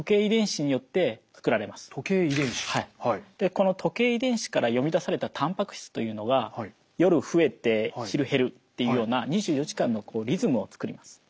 この時計遺伝子から読み出されたたんぱく質というのが夜増えて昼減るっていうような２４時間のリズムを作ります。